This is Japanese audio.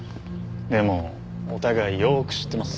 でもお互いよーく知ってます。